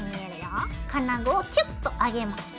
金具をキュッと上げます。